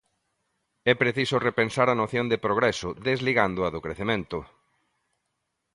É preciso repensar a noción de progreso, desligándoa do crecemento.